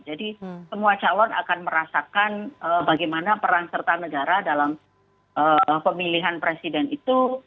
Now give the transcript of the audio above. jadi semua calon akan merasakan bagaimana peran serta negara dalam pemilihan presiden itu